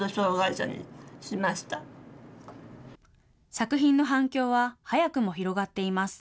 作品の反響は、早くも広がっています。